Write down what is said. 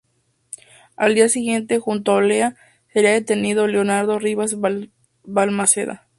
Al día siguiente, junto a Olea, sería detenido Leonardo Rivas Balmaceda.